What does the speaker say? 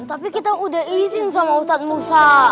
tapi kita udah izin sama ustadz nusa